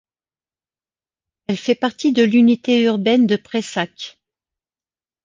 Elle fait partie de l'unité urbaine de Prayssac.